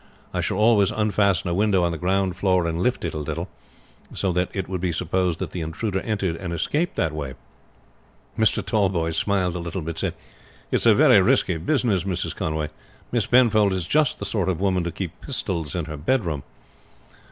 I shall always unfasten a window on the ground floor and lift it a little, so that it would be supposed that the intruder entered and escaped that way." Mr. Tallboys smiled a little, but said, "It is a very risky business, Mrs. Conway. Miss Penfold is just the sort of woman to keep pistols in her bedroom."